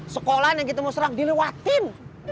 sekolahnya kita mau serang dilewatin